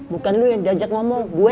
bukan lo yang diajak ngomong gue